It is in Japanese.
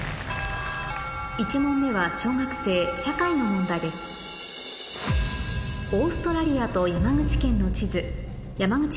１問目は小学生社会の問題です一回。